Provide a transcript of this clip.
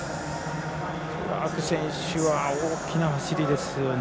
クラーク選手は大きな走りですよね。